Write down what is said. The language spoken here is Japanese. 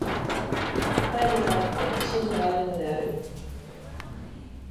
懐疑があって進歩があるのである。